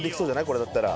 これだったら。